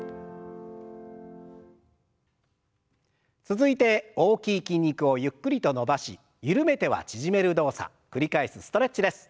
続いて大きい筋肉をゆっくりと伸ばし緩めては縮める動作繰り返すストレッチです。